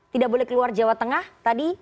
tidak boleh keluar jawa tengah tadi